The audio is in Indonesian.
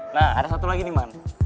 nah ada satu lagi nih man